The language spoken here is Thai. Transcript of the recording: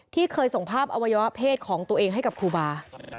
ที่เคยส่งภาพอวัยวะเพศของตัวเองให้กับครูบา